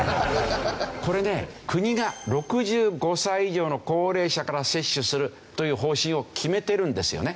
これね国が６５歳以上の高齢者から接種するという方針を決めてるんですよね。